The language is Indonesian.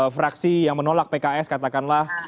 fraksi yang menolak pks katakanlah